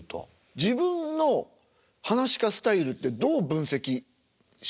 自分の噺家スタイルってどう分析します？